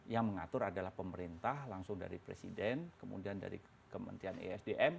yang mengatur adalah pemerintah langsung dari presiden kemudian dari kementerian esdm